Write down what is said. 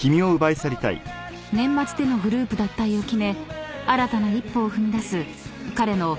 ［年末でのグループ脱退を決め新たな一歩を踏み出す彼の］